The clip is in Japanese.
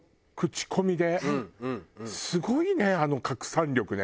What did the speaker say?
すごいねあの拡散力ね。